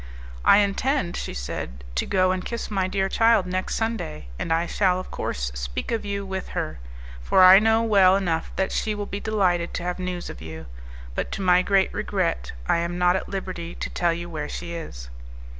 "I intend," she said, "to go and kiss my dear child next Sunday, and I shall of course speak of you with her, for I know well enough that she will be delighted to have news of you; but to my great regret I am not at liberty to tell you where she is."